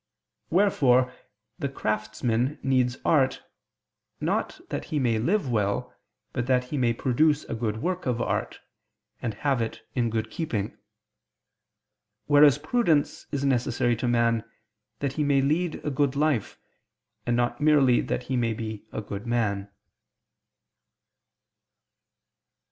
Wherefore the craftsman needs art, not that he may live well, but that he may produce a good work of art, and have it in good keeping: whereas prudence is necessary to man, that he may lead a good life, and not merely that he may be a good man.